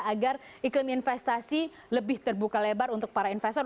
agar iklim investasi lebih terbuka lebar untuk para investor